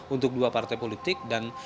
untuk dua partai politik